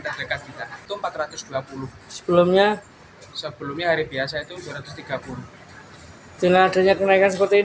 terdekat kita itu empat ratus dua puluh sebelumnya sebelumnya hari biasa itu dua ratus tiga puluh dengan adanya kenaikan seperti ini